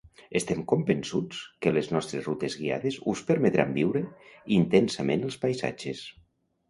Estem convençuts que les nostres rutes guiades us permetran viure intensament els paisatges.